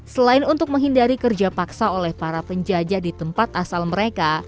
selain untuk menghindari kerja paksa oleh para penjajah di tempat asal mereka